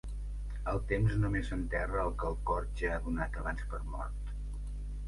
El temps només enterra el que el cor ja ha donat abans per mort.